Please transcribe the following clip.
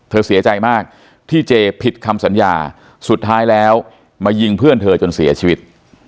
เสียใจมากที่เจผิดคำสัญญาสุดท้ายแล้วมายิงเพื่อนเธอจนเสียชีวิต